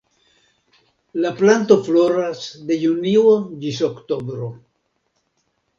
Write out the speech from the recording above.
La planto floras de junio ĝis oktobro.